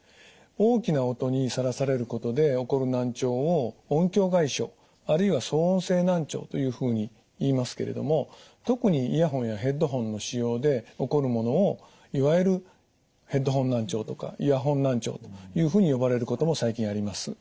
大きな音にさらされることで起こる難聴を音響外傷あるいは騒音性難聴というふうにいいますけれども特にイヤホンやヘッドホンの使用で起こるものをいわゆるヘッドホン難聴とかイヤホン難聴というふうに呼ばれることも最近あります。